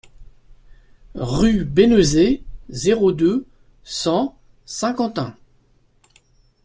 Rue Bénezet, zéro deux, cent Saint-Quentin